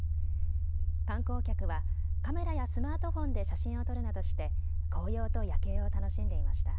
観光客はカメラやスマートフォンで写真を撮るなどして紅葉と夜景を楽しんでいました。